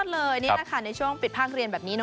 เลยนี่แหละค่ะในช่วงปิดภาคเรียนแบบนี้